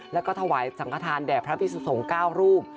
และก็ถวายสังฆษาแด่พระพิสุทธิ์๙รูป